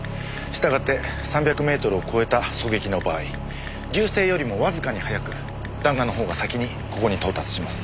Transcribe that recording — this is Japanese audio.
従って３００メートルを超えた狙撃の場合銃声よりもわずかに早く弾丸の方が先にここに到達します。